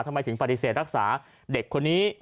ทำไมถึงปฏิเสธรักษาเด็กคนนี้